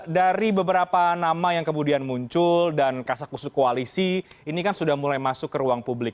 dari beberapa nama yang kemudian muncul dan kasakusuk koalisi ini kan sudah mulai masuk ke ruang publik